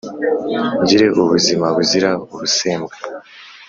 Ngire ubuzima buzira ubusembwa